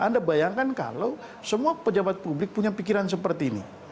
anda bayangkan kalau semua pejabat publik punya pikiran seperti ini